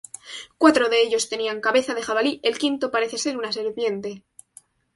Cuatro de ellos tenían cabeza de jabalí, el quinto, parece ser una serpiente.